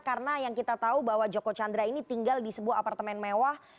karena yang kita tahu bahwa joko candra ini tinggal di sebuah apartemen mewah